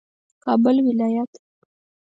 کابل ولایت